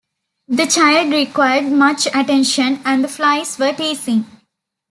The child required much attention, and the flies were teasing.